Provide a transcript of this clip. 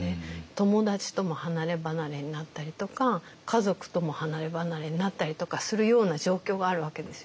友達とも離れ離れになったりとか家族とも離れ離れになったりとかするような状況があるわけですよね。